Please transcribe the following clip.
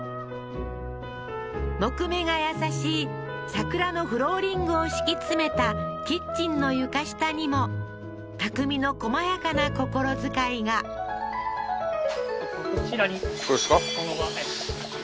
木目が優しい桜のフローリングを敷き詰めたキッチンの床下にも匠のこまやかな心遣いがこちらにこれですか？